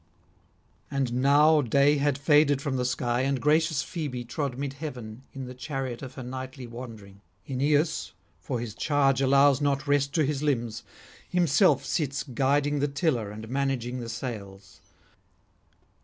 And now day had faded from the sky, and gracious Phoebe trod mid heaven in the chariot of her nightly wandering: Aeneas, for his charge allows not rest to his limbs, himself sits guiding the tiller and managing the sails.